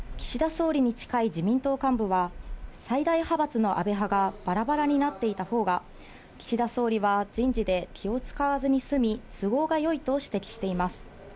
総理に近い自民党幹部は、最大派閥の安倍派がばらばらになっていたほうが、岸田総理は人事で気を遣わずに済み、都合がよいと指摘しています。